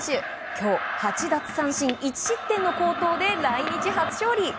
今日、８奪三振１失点の好投で来日初勝利。